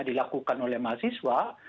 dilakukan oleh mahasiswa